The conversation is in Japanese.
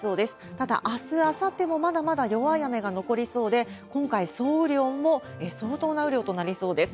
ただ、あす、あさってもまだまだ弱い雨が残りそうで、今回、総雨量も相当な雨量となりそうです。